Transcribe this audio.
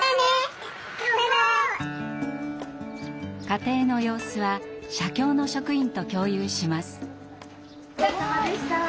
家庭の様子は社協の職員と共有します。